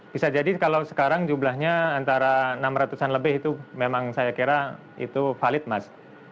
bisa jadi kalau sekarang jumlahnya antara enam ratus an lebih itu memang saya kira itu valid mas